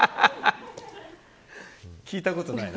聞いたことない。